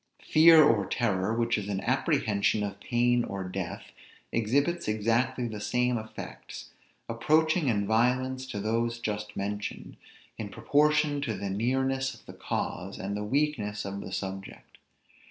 Fear or terror, which is an apprehension of pain or death, exhibits exactly the same effects, approaching in violence to those just mentioned, in proportion to the nearness of the cause, and the weakness of the subject.